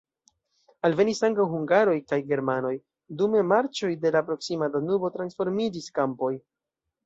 Alvenis ankaŭ hungaroj kaj germanoj, dume marĉoj de la proksima Danubo transformiĝis kampoj.